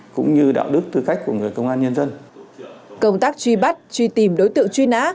công tác truy bắt truy tìm đối tượng truy nã